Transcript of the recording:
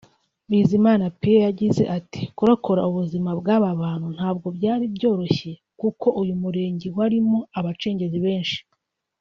Bizimana Pie yagize ati “Kurokora ubuzima bw’aba bantu ntabwo byari byoroshye kuko uyu murenge warimo abacengezi benshi